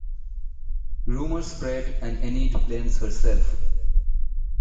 Rumors spread, and Enide blames herself.